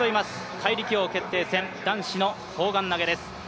怪力王決定戦、男子の砲丸投げです